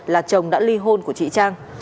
là chồng đã ly hôn của chị trang